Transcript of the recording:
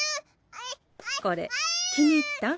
えるこれ気に入ったん？